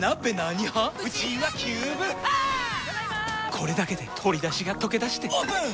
これだけで鶏だしがとけだしてオープン！